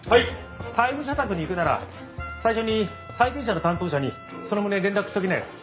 債務者宅に行くなら最初に債権者の担当者にその旨連絡しときなよ。